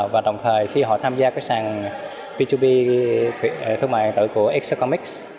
và đồng thời khi họ tham gia sàn b hai b thương mại điện tử của exacomics